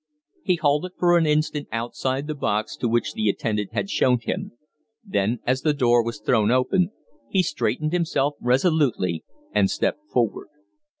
He halted for an instant outside the box to which the attendant had shown him; then, as the door was thrown open, he straightened himself resolutely and stepped forward.